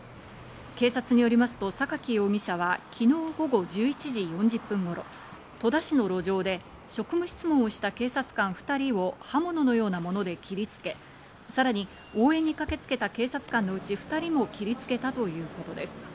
警察によりますとサカキ容疑者は昨日午後１１時４０分頃、戸田市の路上で職務質問をした警察官２人を刃物のようなもので切りつけ、さらに応援に駆けつけた警察官のうち、２人も切りつけたということです。